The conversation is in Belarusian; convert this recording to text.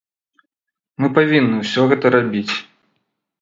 Мы павінны ўсё гэта рабіць.